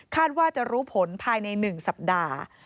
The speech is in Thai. ว่าจะรู้ผลภายใน๑สัปดาห์